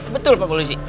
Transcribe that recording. betul pak polisi